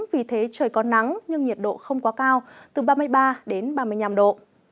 vì thế trời có nắng nhưng nhiệt độ không quá cao từ ba mươi ba đến ba mươi năm độ